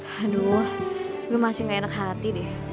aduh gue masih gak enak hati deh